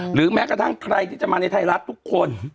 หรือแม้กระทั่งใครที่จะมาในไทยรัฐทุกคน